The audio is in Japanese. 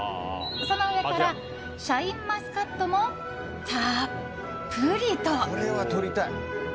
その上からシャインマスカットもたっぷりと。